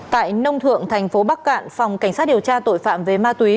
tại nông thượng thành phố bắc cạn phòng cảnh sát điều tra tội phạm về ma túy